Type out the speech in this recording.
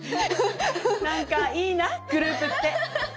なんかいいなグループって。